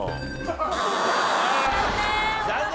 残念！